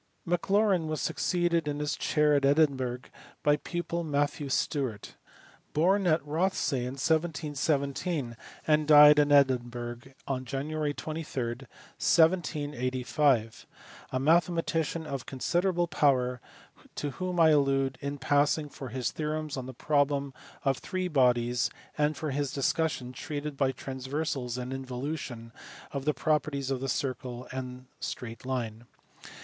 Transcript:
Maclaurin was succeeded in his chair at Edinburgh by his pupil Matthew Stewart, born at Roth say in 1717 and died at 396 SIMPSON. Edinburgh on Jan. 23, 1785, a mathematician of considerable power, to whom I allude in passing for his theorems on the problem of three bodies and for his discussion, treated by transversals and involution, of the properties of the circle and straight line.